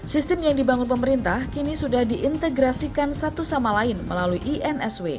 sistem yang dibangun pemerintah kini sudah diintegrasikan satu sama lain melalui insw